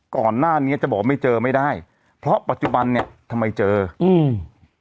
ก่อนหน้านี้จะบอกว่าไม่เจอไม่ได้เพราะปัจจุบันเนี้ยทำไมเจออืม